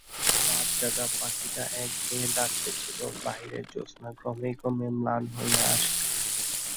রাত-জাগা পাখীটা একঘেয়ে ডাকিতেছিল, বাহিরের জ্যোৎস্না ক্রমে ক্রমে ম্লান হইয়া আসিতেছে।